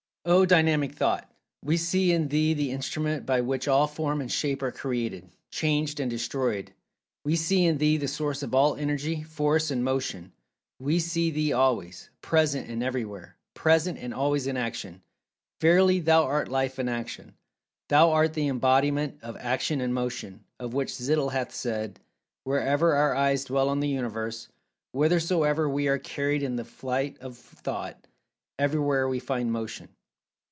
Oh, Dynamic Thought, we see in thee the instrument by which all Form and Shape are created, changed and destroyed—we see in thee the source of all Energy, Force and Motion—we see thee Always—present and Everywhere—present, and always in Action. Verily, thou art Life in Action. Thou art the embodiment of Action and Motion, of which Zittel hath said: "Wherever our eyes dwell on the Universe; whithersoever we are carried in the flight of[Pg 231] thought, everywhere we find Motion."